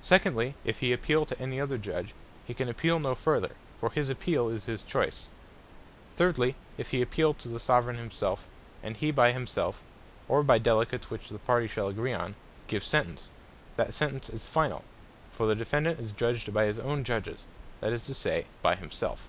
Secondly, if he appeale to any other Judge, he can appeale no further; for his appeale is his choice. Thirdly, if he appeale to the Soveraign himself, and he by himself, or by Delegates which the parties shall agree on, give Sentence; that Sentence is finall: for the Defendant is Judged by his own Judges, that is to say, by himself.